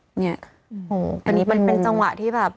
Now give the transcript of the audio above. อันนี้มันเป็นจังหวะที่แบบ